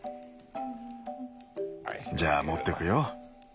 じゃあ持ってくよ。